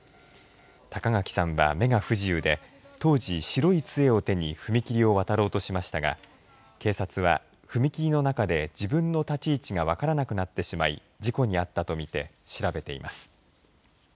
高垣さんは目が不自由で当時白いつえを手に踏み切りを渡ろうとしましたが警察は踏切の中で自分の立ち位置が分からなくなってしまい事故に遭ったとみて調べています。